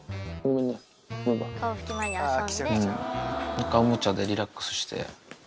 一回おもちゃでリラックスして。